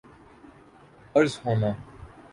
عرض ہونا